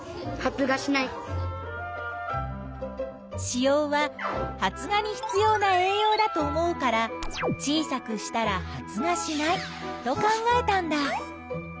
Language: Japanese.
子葉は発芽に必要な栄養だと思うから小さくしたら発芽しないと考えたんだ。